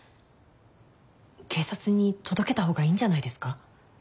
警察に届けた方がいいんじゃないですか？